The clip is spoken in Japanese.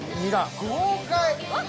豪快！